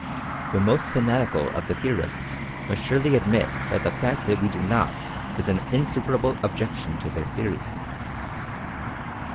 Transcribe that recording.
The most fanatical of the theorists must surely admit that the fact that we do not is an insuperable objection to their theory.